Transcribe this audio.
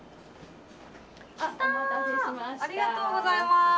ありがとうございます。